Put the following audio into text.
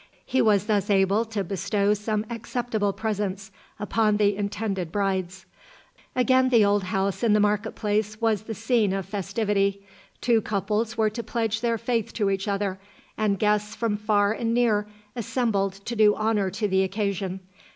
He was thus able to bestow some acceptable presents upon the intended brides. Again the old house in the market place was the scene of festivity. Two couples were to pledge their faith to each other, and guests from far and near assembled to do honour to the occasion.